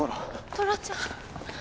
トラちゃん。